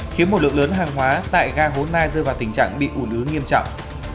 khiến một lượng lớn hàng hóa tại ga hồ nai rơi vào tình trạng bị ủ lứ nghiêm trọng